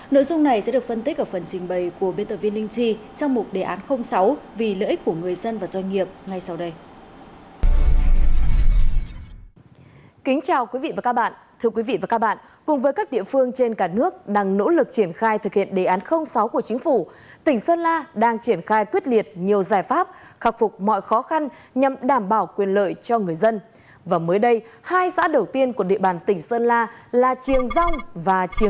nội dung này sẽ được phân tích ở phần trình bày của biên tập viên linh chi trong mục đề án sáu vì lợi ích của người dân và doanh nghiệp ngay sau đây